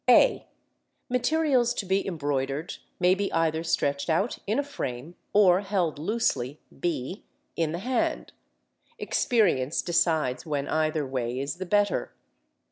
(a) Materials to be embroidered may be either stretched out in a frame, or held loosely (b) in the hand. Experience decides when either way is the better.